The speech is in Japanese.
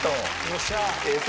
よっしゃー。